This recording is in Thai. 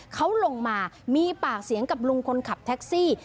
เขาลงมามีปากเสียงกับลุงคนขับแท็กซี่